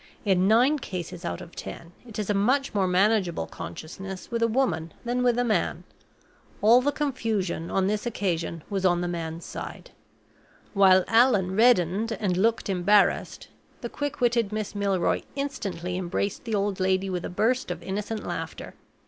In nine cases out of ten, it is a much more manageable consciousness with a woman than with a man. All the confusion, on this occasion, was on the man's side. While Allan reddened and looked embarrassed, the quick witted Miss Milroy instantly embraced the old lady with a burst of innocent laughter.